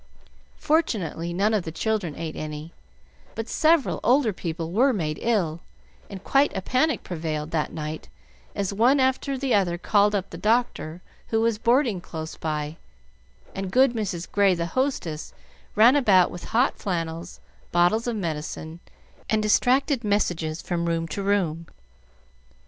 Fortunately none of the children ate any, but several older people were made ill, and quite a panic prevailed that night as one after the other called up the doctor, who was boarding close by; and good Mrs. Grey, the hostess, ran about with hot flannels, bottles of medicine, and distracted messages from room to room.